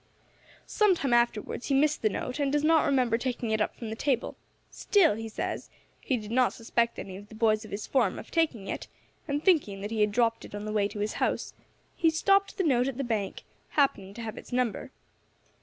"Some time afterwards he missed the note, and does not remember taking it up from the table; still, he says, he did not suspect any of the boys of his form of taking it, and thinking that he had dropt it on the way to his house, he stopped the note at the bank, happening to have its number.